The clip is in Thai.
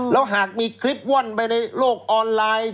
แล้วหากมีคลิปว่อนไปในโลกออนไลน์